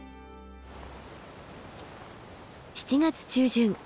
７月中旬